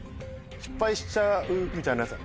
失敗しちゃうみたいなやつ。